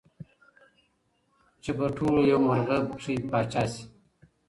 چي پر ټولو یو مرغه پکښي پاچا سي